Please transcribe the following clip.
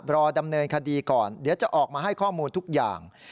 รอดำเนินคดีก่อนเดี๋ยวจะออกมาให้ข้อมูลทุกอย่าง